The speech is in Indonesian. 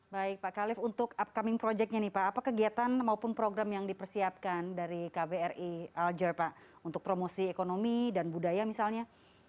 baik pak khalif untuk upcoming project nya nih pak apa kegiatan maupun program yang dipersiapkan dari kbri alger pak untuk promosi ekonomi dan budaya misalnya